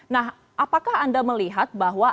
nah apakah anda melihat bahwa